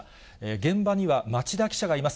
現場には町田記者がいます。